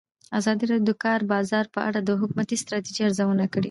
ازادي راډیو د د کار بازار په اړه د حکومتي ستراتیژۍ ارزونه کړې.